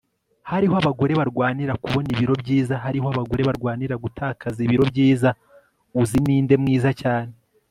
hariho abagore barwanira kubona ibiro byiza hariho abagore barwanira gutakaza ibiro byiza uzi ninde mwiza cyane